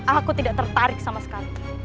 aku tidak tertarik sama sekali